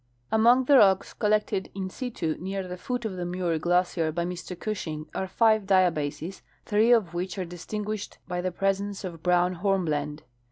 Among the rocks collected in situ near the foot of the Muir glacier by Mr Gushing are five diabases, three of which are dis tinguished by the presence of brown hornblende.